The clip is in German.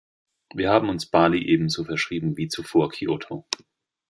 Wir haben uns Bali ebenso verschrieben wie zuvor Kyoto.